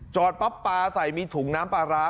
ปั๊บปลาใส่มีถุงน้ำปลาร้า